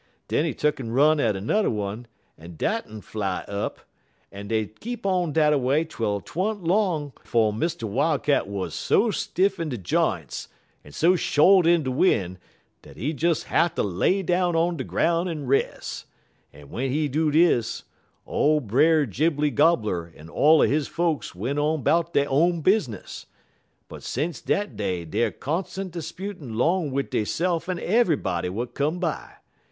Den he tuck'n run at 'n'er one, en dat un fly up; en dey keep on dat a way twel 't wa'n't long 'fo' Mr. Wildcat wuz so stiff in de j'ints en so short in de win' dat he des hatter lay down on de groun' en res', en w'en he do dis, ole Brer Gibley Gobler en all er he folks went on 'bout dey own business; but sence dat day deyer constant a 'sputin' 'long wid deyse'f en eve'ybody w'at come by.